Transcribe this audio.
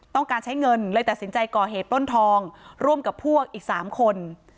ต้องการใช้เงินเลยตัดสินใจก่อเหตุปล้นทองร่วมกับพวกอีก๓คน